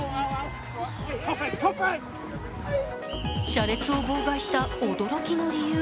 車列を妨害した驚きの理由。